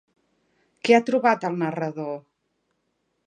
Què ha trobat el narrador?